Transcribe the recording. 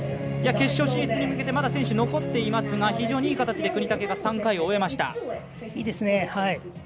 決勝進出に向けてまだ選手、残っていますが非常にいい形で國武が演技を終えました。